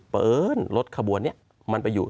เปิดรถขบวนนี้มันไปอยู่